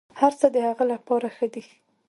هرڅه د هغه لپاره ښه دي.